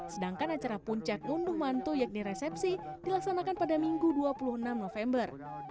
sedangkan acara puncak ngunduh mantu yakni resepsi dilaksanakan pada minggu dua puluh enam november